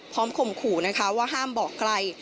ข่มขู่นะคะว่าห้ามบอกใคร